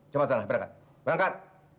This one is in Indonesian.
cepat sana berangkat berangkat